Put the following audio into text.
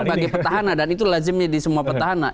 sementara bagi petahana dan itu lazimnya di semua petahana